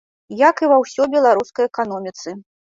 Як і ва ўсёй беларускай эканоміцы.